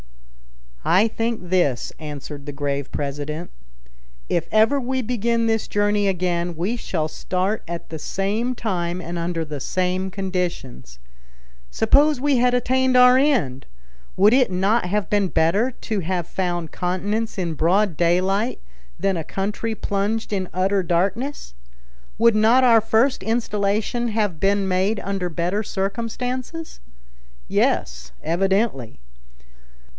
"I think this," answered the grave president: "If ever we begin this journey again, we shall start at the same time and under the same conditions. Suppose we had attained our end, would it not have been better to have found continents in broad daylight than a country plunged in utter darkness? Would not our first installation have been made under better circumstances? Yes, evidently.